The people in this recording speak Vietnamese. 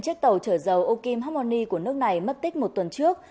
chiếc tàu trở dầu okim harmony của nước này mất tích một tuần trước